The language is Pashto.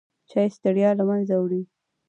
چای ستړیا له منځه وړي.